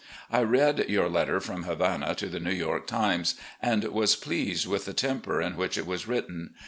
I read your letter from Havana to the New York Times, and was pleased with the temper in which it was written.